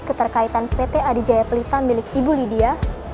keterkaitan pt adi jaya pelita milik ibu lydia